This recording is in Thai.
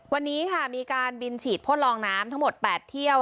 วันนี้ค่ะมีการบินฉีดพ่นลองน้ำทั้งหมด๘เที่ยว